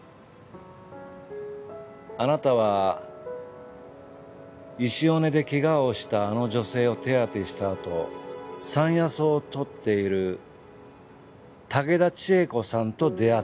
あなたは石尾根でけがをしたあの女性を手当てしたあと山野草を採っている竹田千恵子さんと出会った。